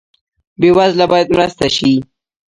بې وزله باید مرسته شي